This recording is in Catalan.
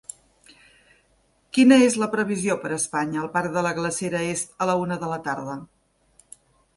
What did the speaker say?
Quina és la previsió per Espanya al Parc de la Glacera Est a la una de la tarda